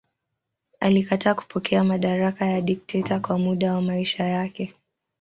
Alikataa kupokea madaraka ya dikteta kwa muda wa maisha yake.